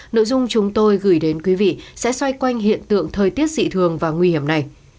nội dung chúng tôi gửi đến quý vị sẽ xoay quanh hiện tượng thời tiết dị thường và nguy hiểm này